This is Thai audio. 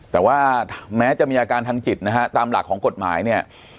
แต่ว่าแม้จะมีอาการทางจิตนะฮะตามหลักของกฎหมายเนี่ย